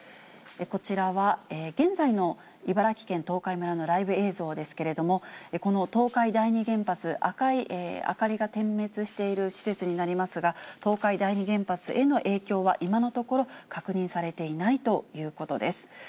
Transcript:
こちらは現在の茨城県東海村のライブ映像ですけれども、この東海第二原発、赤い明かりが点滅している施設になりますが、東海第二原発への影響は今のところ、確認されていないということです。